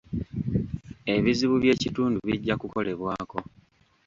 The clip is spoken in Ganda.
Ebizibu by'ekitundu bijja kukolebwako .